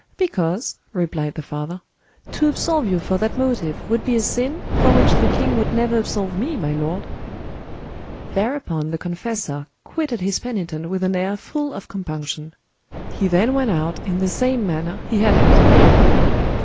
"Because," replied the father, "to absolve you for that motive would be a sin for which the king would never absolve me, my lord." Thereupon the confessor quitted his penitent with an air full of compunction. He then went out in the same manner he had entered.